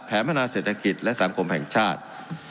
พัฒนาเศรษฐกิจและสังคมแห่งชาติ